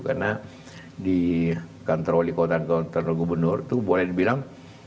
karena di kantor wali kota dan kantor gubernur itu boleh dibilang